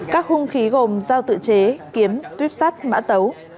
các hung khí gồm dao tự chế kiếm tuyếp sát mã tấu